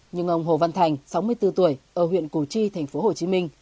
nhưng ông hồ văn thành sáu mươi bốn tuổi ở huyện củ chi thành phố hồ chí minh